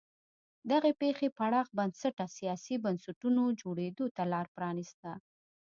دغې پېښې پراخ بنسټه سیاسي بنسټونو جوړېدو ته لار پرانیسته.